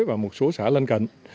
và một số xã lên cạnh